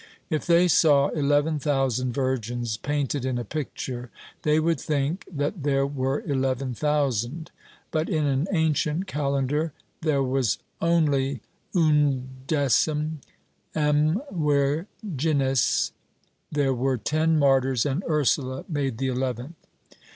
If they saw eleven thousand virgins painted in a picture, they would think that there were eleven thousand, but in an ancient calendar there was only undecim M. virgines — there were ten martyrs and Ursula made the eleventh.